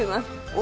お！